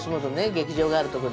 劇場があるとこで。